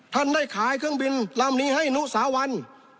ได้ขายเครื่องบินลำนี้ให้นุสาวัล